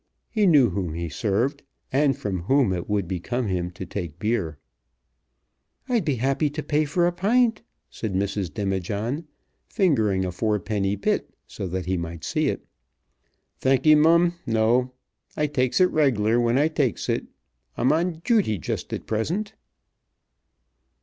He knew whom he served, and from whom it would become him to take beer. "I'd be happy to pay for a pint," said Mrs. Demijohn, fingering a fourpenny bit so that he might see it. "Thankye, Mum; no, I takes it reg'lar when I takes it. I'm on dooty just at present."